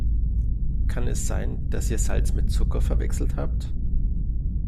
Kann es sein, dass ihr Salz mit Zucker verwechselt habt?